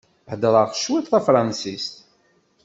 Heddṛeɣ cwiṭ tafṛansist.